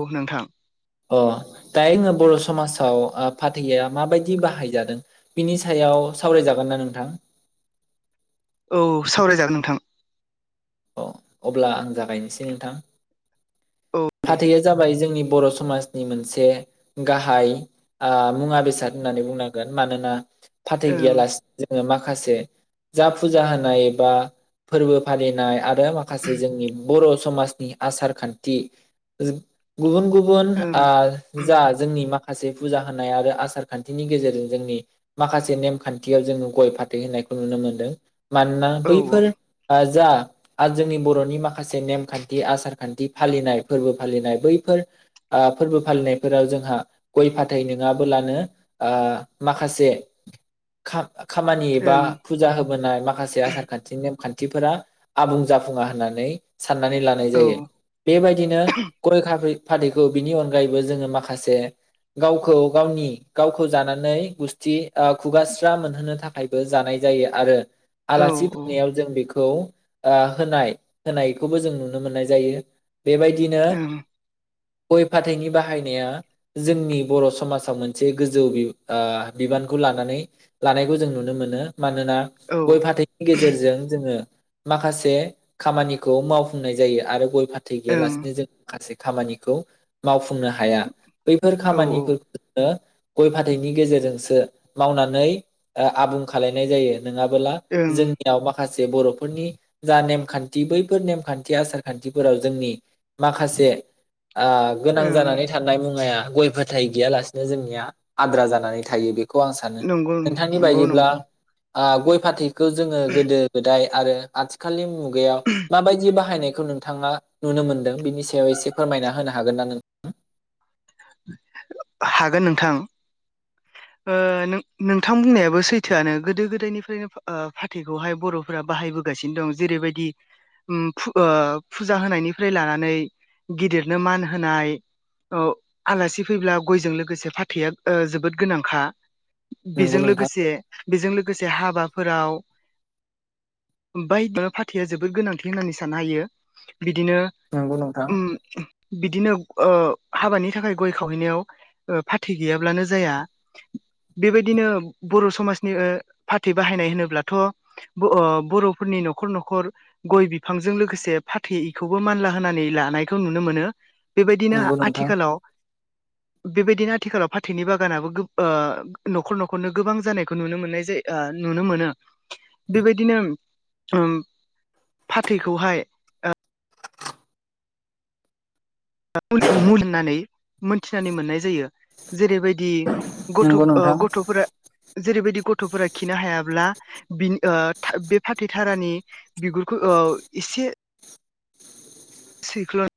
औ नोंथां अ दाहाय बर' समाजाव फाथैया माबायदि बाहायजादों बिनि सायाव सावरायजागोनना नोंथां? औ औ सावरायजागोन नोंथां अ अब्ला आं जागायनोसै नोंथां औ दे फाथैया जाबाय जोंनि बर' समाजनि मोनसे गाहाय आ मुवा बेसाद होननानै बुंनांगोन मानोना। फाथै ओं गैयालासे जोङो माख माखासे जा फुजा होनाय एबा फोरबो फालिनाय आरो माखासे जोंनि बर' समनि आसार खान्थि गुबुन गुबुन ओं जा जोंनि माखा खासे फुजा होनाय आरो आसार खानथिनि गेजेरजों जोंनि माखासे नेमखानथियाव जोङो गय फाथै होनायखौ नुनो मोनदों। मानोना औ बैफोर आ जा आरो जोंनि बर'नि माखासे नेमखानथि आसार खानथि फालिनाय फोरबो फालिनाय बैफोर फोरबो फालिनायफोराव जोंहा गय फाथै नङाब्लानो आ माखासे खामानि एबा ओं फुजा होबोनाय माखासे आसार खानथिनि खानथिफोरा आबुं जाफुङा होननानै साननानै लानाय औ जायो बेबायदिनो गय फाथै फाथैखौ बिनि अनगायैबो जोङो माखासे गावखौ गावनि गावखौ जानानै गुसथि खुगा स्रा मोनहोनो थाखायबो जानाय जायो आरो। औ आलासि फैनायाव जों बेखौ आ होनाय होनायखौबो जों नुनो मोननाय जायो। बेबायदिनो ओं गय फाथैइनि बाहायनाया जोंनि बर' समाजाव मोनसे गोजौ आ बिबानखौ लानानै लानायखौ जों नुनो मोनो। मानोना औ ओं गय फाथैनि गेजेरजों जोङो माखासे खामानिखौ मावफुंनाय जायो आरो गय फाथै गैयालासिनो जों माखासे खामानिखौ मावफुं नो हाया बैफोर औ खामानि फोरखौनो गय फाथैनि गेजेरजोंसो मावनानै आबुं खालायनाय जायो। नोङाबोला ओं जोंनियाव माखा माखासे बर'फोरनि जा नेमखान्थि बैफोर नेमखान्थि आसार खान्थिफोराव जोंनि माखासे ओ गोनां ओं जानानै थानाय मुवाया गय फाथै गैयालासिनो जोंनिया आद्रा जानानै थायो बे खौ आं सानो नंगौ नोंथांनि नंगौ बायदिब्ला नंगौ आ गय फाथै। खौ जोङो गोदो गोदाय आरो। आथिखालनि माबायदि बाहायनाय खौ नोंथाङा नुनो मोन्दों बेनि सायाव एसे फोरमायना होनो हागोन ना नोंथां हागोन नोंथां ओ नोंथां बुंनायाबो सैथोआनो गोदो गोदायनिफ्रायनो फाथैखौहाय बर'फोरा बाहायबोगासिनो दं जेरैबायदि ओ फुजा होनायनिफ्राय लानानै गिदिरनो मान होनाय आलासि फैब्ला गयजों लोगोसे फाथैआ जोबोद गोनांखा नंगौ बेजों नोंथां लोगोसे बेजों लोगोसे हाबाफोराव [unintelligible] फाथैया जोबोद गोनांथि होननानै साननो हायो बिदिनो नंगौ नोंथां बिदिनो ओ हाबानि थाखाय गय खावहैनायाव फाथै गैयाब्लानो जाया बेबायदिनो बर' समाजनि फाथै बाहायनाय होनोब्लाथ' बर'फोरनि न'खर न'खर गइ बिफांजों लोगोसे फाथैखौबो मानला होनानै लानायखौ नुनो मोनो। बेबायदिनो नंगौ नोंथां आथिखालाव बेबायदिनो आथिखालाव फाथैनि बागानाबो गो ओ न'खर न'खरनो गोबां जानायखौ नुनो मोननाय जायो नुनो मोनो बेबायदिनो फाथैखौहाय [unintelligible] होननानै मोनथिनानै मोननाय जायो जेरैबायदि गथ' नंगौ ओ नोंथां गथ'फोरा जेरैबायदि गथ'फोरा खिनो हायाब्ला बि बे फाथै थारानि बिगुरखौ एसे सैख्ल'नो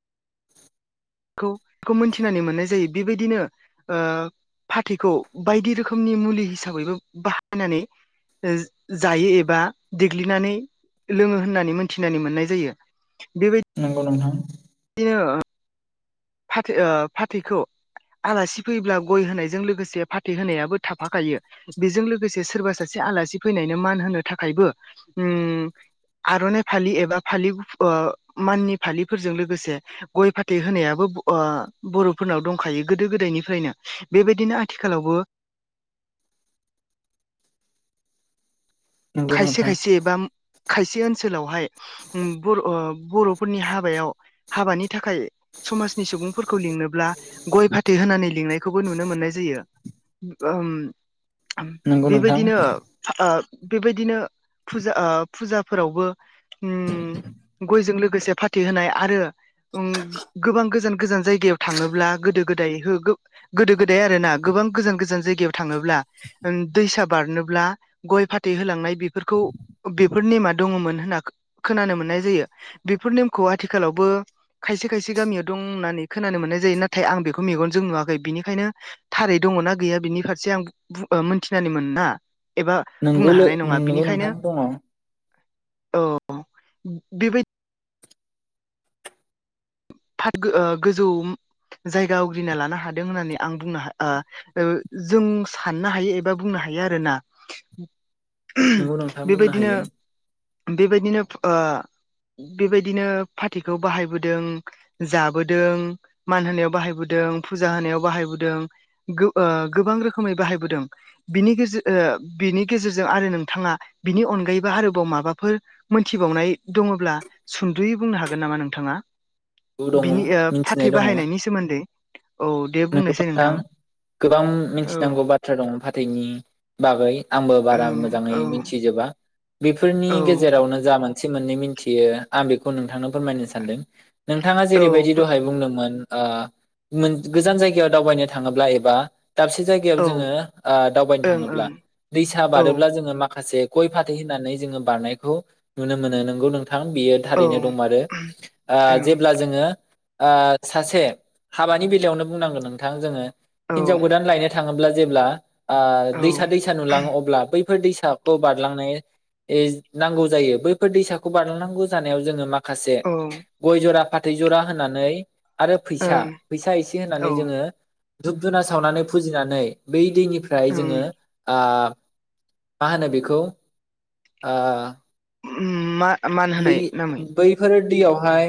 खौ मोनथिनानै मोननाय जायो बेबायदिनो फाथैखौ बायदि रोखोमनि मुलि हिसाबैबो बाहायनानै जायो एबा देग्लिनानै लोङो होननानै मोनथिनानै मोननाय जायो। बेबायदि नंगौ नोंथां। फाथै फाथैखौ आलासि फैयोब्ला गय होनायजों लोगोसे फाथै होनायाबो थाफाखायो बेजों लोगोसे सोरबा सासे आलासि फैनायनो मान होनो थाखायबो आर'नाइ फालि एबा फालि माननि फालिफोरजों लोगोसे गय फाथै होनायाबो बर'फोरनाव दंखायो गोदो गोदायनिफ्रायनो बेबायदिनो आथिखालावबो नंगौ खायसे नोंथां खायसे एबा खायसे ओनसोलावहाय बर' बर'फोरनि हाबायाव हाबानि थाखाय समाजनि सुबुंफोरखौ लिंनोब्ला गय फाथै होनानै लिंनायखौबो नुनो मोननाय जायो। नंगौ नोंथां बेबायदिनो ओ बेबायदिनो फुजा फुजाफोरावबो ओम गयजों लोगोसे फाथैहोनाय आरो गोबां गोजान गोजान जायगायाव थाङोब्ला गोदो गोदाय गोदो गोदाय आरोना गोबां गोजान गोजान जायगायाव थाङोब्ला दैसा बारनोब्ला गय फाथै होलांनाय बेफोरखौ बेफोर नेमा दङमोन होनना खोनानो मोननाय जायो बेफोर नेमखौ आथिखालावबो खायसे खायसे गामियाव दं होननानै खोनानो मोननाय जायो नाथाय आं बेखौ मेगनजों नुवाखै बिनिखायनो थारै दङना गैया बिनि फारसे आं मोनथिनानै मोन ना एबा बुंनो नोंगौ नोंगौ नोंथां दङ। औ बेबायदि गोजौ जायगा आवग्रिना लानो हादों होननानै आं बुंनो जों साननो हायो एबा बुंनो हायो आरोना नोंगौ नोंथाङां बुंनो बेबायदिनो हायो। बेबायदिनो बेबायदिनो फाथैखौ बाहायबोदों जाबोदों मान होनायाव बाहायबोदों फुजा होनायाव बाहायबोदों गोबां रोखोमै बाहायबोदों बिनि गेजेर बिनि गेजेरजों आरो नोंथाङा बिनि अनगायैबो आरोबाव माबाफोर मोनथिबावनाय दङब्ला सुद'यै बुंनो हागोन नामा नोंथाङा दङ बिनि फाथै बाहायनायनि सोमोन्दै औ दे बुंनायसै नोंगथां नोंथां गोबां औ मिथिनांगौ बाथ्रा दङ फाथथायनि बागै आंबो बारा ओं मोजाङै औ मिथिजोबा बेफोरनि औ गेजेरावनो जा मोन से मोननै मिथियो आं बेखौ नोंथांनो फोरमायनो सानदों नोंथाङा औ जेरैबायदि दहाय बुंदोंमोन आ मोन गोजान जायगायाव दावबायनो थाङोब्ला एबा दाबसे जायगायाव जोङो दावबायनो औ थाङोब्ला ओं दैसा ओं बारोब्ला जोङो माखासे गय फाथै होननानै जोङो बारनायखौ नुनो मोनो नोंगौ न थां बियो औ थारैनो दं आरो जेब्ला जोङो सासे हाबानि बे फलियावनो बुंनांगोन नोंथां जोङो हिन्जाव ओं गोदान लायनो थाखाय थाङोब्ला जेब्ला औ दैसा दैसा नुलाङो अब्ला बै ब दैसाखौ बारलांनाय नांगौ जायो बैफोर दैसाखौ बारलांनांगौ जानायाव जोङो माखासे औ से गय जरा फाथ फाथै जरा होनानै आरो फैसा ओं फैसा एसे होननानै औ जोङो धुप धुना सावनानै फुजिनानै बै निफ्राय जोङो ओं मा होनो बेखौ ओ उम मा मान बै होनाय नामै बैफोर यावहाय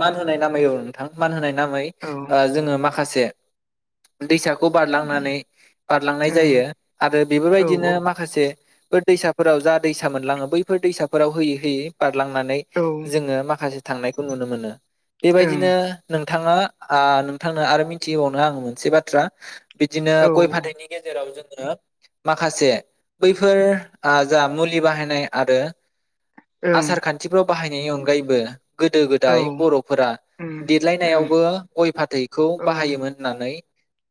मान होनाय नाम औ नोंथां मान होनाय जाबाय औ जोङो मा माखासे दैसा खौ बारलांनानै बारलांनाय जायो ओं आरो औ बेफोरबायदिनो माखासे दैसाफोराव जा दैसा मोनलाङो बैफोर दैसाफोराव होयै होयै नांनै औ जोङो माखासे थांनायखौ नुनो मोनो। ओं बेबायदिनो नों थाङा आ नोंथांनो आरो मिथिहोबावनो आङो मोनसे बाथ्रा बिदिनो औ गइ फाथैनि गेजेराव जों माखासे बैफोर आ जा मुलि बाहायनाय आरो ओं आसार खान्थिफ्राव बाहायनायनि अनगायैबो गोदो औ गोदाय बर'फोरा ओम ओं देरलायनायावबो गइ फाथैखौ औ बाहायोमोन होननानै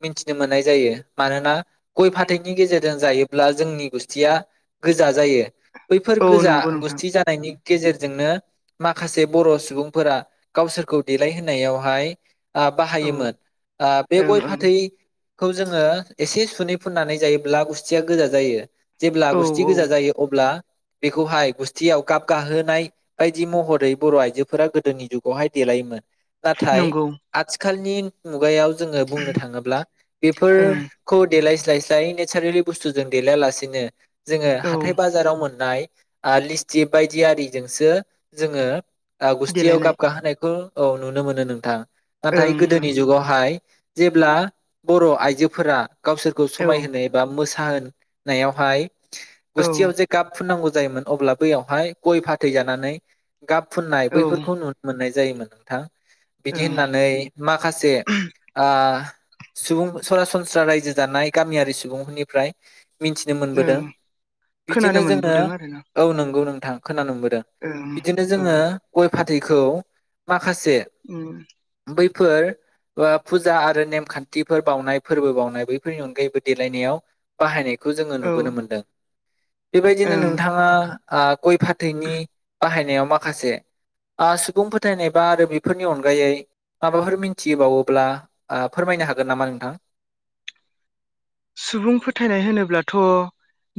मिथिनो मोननाय जायो मानोना गइ फाथैनि गेजेरजों जायोब्ला जोंनि गुस्थिया गोजा जायो। बैफोर औ गोजा नंगौ नोंथां गुस्थि जा गेजेरजोंनो माखासे बर' सुबुंफोरा गावसोरखौ देलायहोनायावहाय आ औ ओं बाहायोमोन आ बे गय ओं फाथै खौ जोङो एसे सुुनै फुननानै जायोब्ला गुस्थिया गोजा जायो। जेब्ला औ गुस्थि औ गोजा जायो अब्ला बेखौहाय गुसथियाव गाब गाहोनाय बायदि महरै बर' आइजोफोरा गोदोनि जुगावहाय देलायोमोन। नाथाय नंगौ आथिखा खालनि मुगायाव जोङो बुंनो थाङोब्ला ओं बेफोरखौ देलाय स्लाय स्लाय नेसारेलि बुस्थुजों देलयालासिनो जोङो औ हाथाय बाजाराव मोन नाय आ लिस थिब बायदि आरिजोंसो जोङो आ गुसथियाव देलायनाय गाहोनायखौ औ नुनो मोनो नोंथां। नाथाय ओं ओं गोदोनि जुगावहाय जेब्ला बर' आइजोफोरा गावसोरखौ औ समाय होनो एबा मोसा साहोनायावहाय औ गुस्थियाव जे गाब फुननांगौ जायोमोन अब्ला बैयावहाय गइ फाथै जानानै गाब फुननाय औ ओं बैफोरखौ नुनो मोननाय जायोमोन नोंथां। बिदि होननानै माखासे आ सुबुं सरासनस्रा रायजो जानाय गामियारि सुबुंफोरनिफ्राय मिनथिनो मोनबोदों ओं खोनानो बिदिनो मोनबोदों आरोना जोङो नोंगौ नोंथां खोनानो मोनबो ओं बिदिनो औ जोङो गय फाथै [unintelligible] माखासे ओम बै फोर फुजा आरो नेम खान्थिफोर बावनाय फोरबो बावनाय बैफोरनि अनगायैबो देलायनायाव बाहायनाय बेखौ जोङो औ नुबोनो मोनदों बेबायदिनो ओं नोंथाङा [unintelligible] गय फाथैनि बाहायनायाव माखासे ओ सुबुं फोथायनाय बा आरो बेफोरनि अनगायै माबाफोर मोनथिबावोब्ला आ फोरमायनो हागोन नामा नोंथां सुबुं फोथायनाय होनोब्लाथ'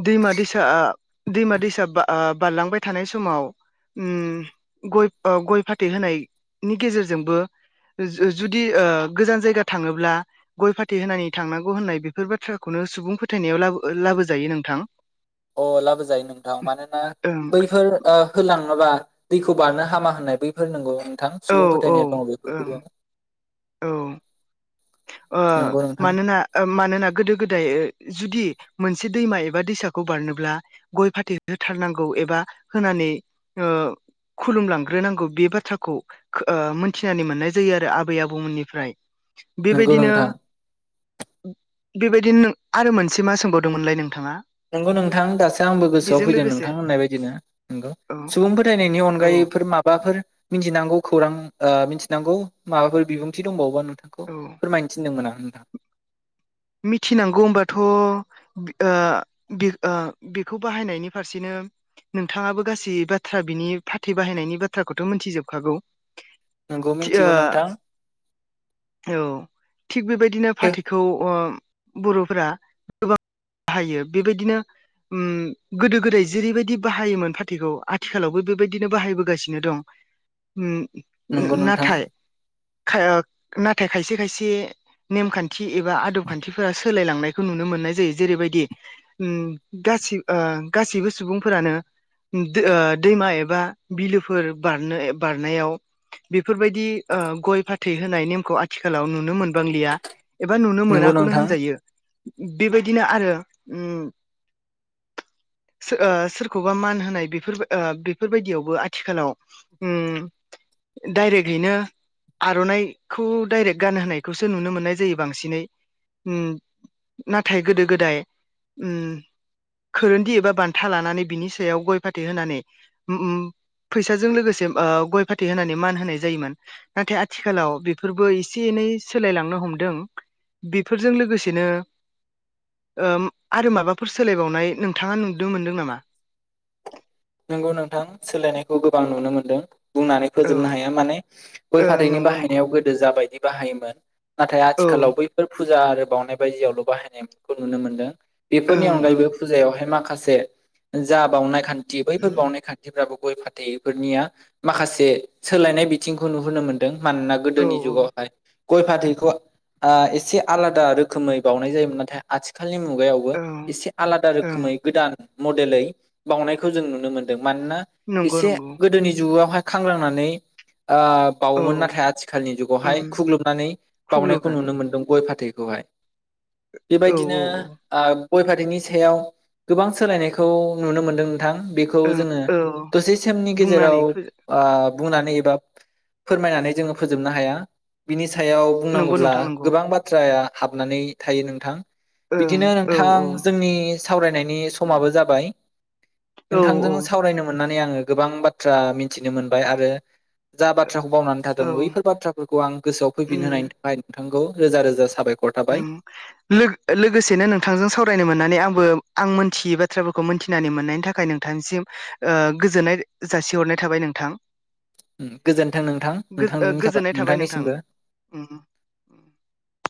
दैमा दैसा दैमा दैसा बा आ बारलांबाय थानाय समाव म गय गय फाथै होनायनि गेजेरजोंबो जो जुदि गोजान जायगा थाङोब्ला गय फाथै होनानै थांनांगौ होननाय बे बेफोर बाथ्राखौनो सुबुं फोथायनायाव लाबो लाबोजायो नोंथां अ लाबोजायो नोंथां मानोना ओं बैफोर ओ होलाङोबा दैखौ बारनो हामा होननाय बैफोर नोंगौ थां औ सुबुं फोथायनाया दङ ओं बेफोरखौबो औ ओ नंगौ नोंथां। मानोना ओ मानोना गोदो गोदाय जुदि मोनसे दैमा एबा दैसाखौ बारनोब्ला गय फाथै होथारनांगौ एबा होनानै ओ खुलुमलांग्रोनांगौ बे बाथ्राखौ ओ मोनथिनानै मोननाय जायो आरो आबै आबौमोननिफ्राय बेबादि नंगौ नोंथां बेबायदिनो नों आरो मोनसे मा सोंबावदोंमोनलाय नों नंगौ नोंथां दासो आंबो गोसोआव बेजों फैदों लोगोसे नोंथां होननाय बायदिनो नंगौ औ सुबुं फोथायनायनि औ अनगायैफोर माबाफोर मिथिनांगौ खौरां ओ मिथिनांगौ माबाफोर बिबुंथि दंबावबा नों थांखौ औ फोरमायनो थिनदोंमोन आं [unintelligible] मिथिनांगौ होनोमबाथ' ओ बे ओ बेखौ बाहायनायनि फारसेनो नोंथाङाबो गासै बाथ्रा बिनि फाथै बाहायनायनि बाथ्राखौथ' मिथिजोबखागौ नंगौ थिओ मिथिगौ नोंथां औ थिग बेबायदिनो फाथैखौ ओ बर'फोरा गोबां बाहायो बेबायदिनो ओम गोदो गोदाय जेरैबायदि बाहायोमोन फाथैखौ आथिखालावबो बेबायदिनो बाहायबोगासिनो दं ओम नंगौ नोंथां नाथाय थाओ नाथाय खायसे खायसे नेमखान्थि एबा खान्थिफोरा सो सोलायलांनायखौ नुनो मोननाय जायो जेरैबायदि ओम गासै ओ गासैबो सुबुंफोरानो ओ दैमा एबा बिलोफोर बारनो बारनायाव बेफोरबायदि ओ गय फाथै होनाय नेमखौ आथिखालाव नुनो मोन बांलिया एबा नुनो मोना नंगौ खौनो नोंथां होनजायो बेबायदिनो आरो ओम सो ओ सोरखौबा मान होनाय बेफोर ओ बेफोरबायदियावबो आथिखालाव डायरेक्टयैनो आर'नाइखौ डायरेक्ट गानहोनायखौसो नुनो मोननाय जायो बांसिनै ओम नाथाय गोदो गोदाय ओम खोरोन्दि एबा बान्था लानानै बिनि सायाव गय फाथै होनानै ओम फैसाजों लोगोसे ओ गय फाथै होनानै मान होनाय जायोमोन नाथाय आथिखालाव बेफोरबो एसे एनै सोलायलांनो हमदों फोरजों लोगोसेनो ओ म आरो माबाफोर सोलायबावनाय नोंथाङा नुनो मोनदों नामा? नोंगौ नोंथां सोलायनायखौ गोबां नुनो मोनदों बुंनानै औ फोजोबनो हाया माने गय ओं फाथैनि नंगौ नंगौ बाहायनायाव गोदो जाबायदि बाहायोमोन नाथाय औ आथिलाव बैफोर फु फुजा आरो बावनाय बायदियावल' बाहायनायखौ नुनो मोनदों बेफोरनि ओं ओं अनगैबो फुजायावहाय माखा से जा बावनाय खा न्थि बैफोर बावनाय खान्थिफ्राबो गय फाथैफोरनिया माखासे सोलायनाय बिथिंखौ नुहुरनो मोनदों मानोना औ गोदोनि जुगावहाय गय फाथैखौ ओ एसे आलादा रोखोमै बावनाय जायोमोन नाथाय आथि खालनि मुगायावबो औ एसे आलादा रोखोमै ओं गोदान मदेलै बावनाय खौ जों नुनो मोनदों मानोना नंगौ एसे नंगौ गोदोनि जुगावहाय खांग्रांनानै ओ औ बावोमोन नाथाय आथिखालनि उम जुगावहाय खुग्लुबनानै बावनायखौ खुग्लुबनानै नुनो मोन्दों गय फाथै खौहाय औ बेबायदिनो औ आ गय फाथैनि सायाव गोबां सोलायनायखौ नुनो मोन्दों नोंथां बेखौ औ ओं जोङो औ दसे समनि बुंनानै गेजेराव फोजो ओ बुंनानै एबा फोरमायनानै जोङो फोजोबनो हाया बिनि सायाव नंगौ बुंनांगौब्ला नोंथां नंगौ गोबां बाथ्राया हाबनानै थायो नोंथां ओं बिदिनो औ नोंथां जोंनि सावरायनायनि समाबो जाबाय औ औ नोंथांजों सावरायनो मोनना नै आङो गोबां बाथ्रा मिथिनो मोनबाय आरो जा बाथ्राखौ बावनानै थादों औ बैफोर बाथ्राफोरखौ आं गोसोआव फैफिन होनायनि थाखाय नोंथांखौ रोजा रोजा साबाय ओं लो लोगोसेनो नोंथांजों सावरायनो मोननानै आंबो आं मोनथियै बाथ्राफोरखौ मोनथिनानै मोननायनि थाखाय नोंथांनिसिम ओ गोजोननाय जासिहरनाय थाबाय नोंथां उम गोजोन्थों नोंथां गो ओ नोंथांनि थाखाय गोजोननाय थाबाय नोंथां नोंथांनिसिमबो उम उम।